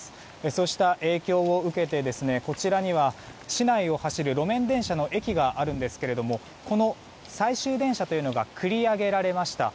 そうした影響を受けてこちらには市内を走る路面電車の駅があるんですけどもこの最終電車というのが繰り上げられました。